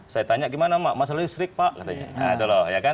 saya tanya gimana pak masalah listrik pak katanya